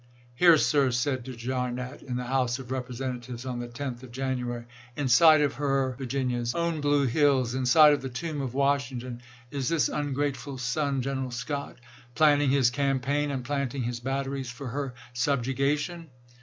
" Here, sir," said De Jarnette in the House of Representatives on the 10th of January, "in lsei. sight of her [Virginia's] own blue hills, in sight of the tomb of Washington, is this ungrateful son [General Scott] planning his campaign and plant ing his batteries for her subjugation."